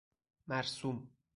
مرسوم